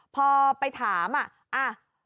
พอไปถามอ่ะ